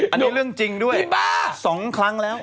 อันนี้เรื่องจริงด้วย๒ครั้งแล้ว